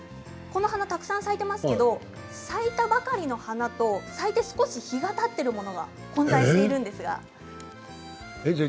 この花たくさん咲いていますけど咲いたばかりのお花と咲いて少し日がたっているものが混在しているんですが。